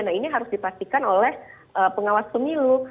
nah ini harus dipastikan oleh pengawas pemilu